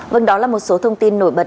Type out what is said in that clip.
vâng đó là một số thông tin nổi bật